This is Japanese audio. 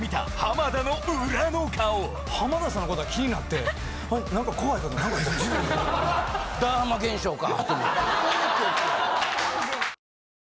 浜田さんの事が気になって何か怖いけど何か。